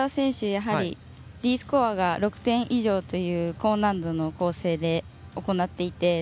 やはりＤスコアが６点以上という高難度の構成で行っていて。